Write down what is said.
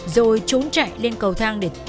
rồi trốn chạy lên cầu thang để tấn công